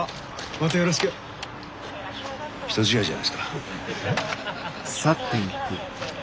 人違いじゃないですか？